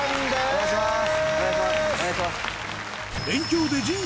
お願いします。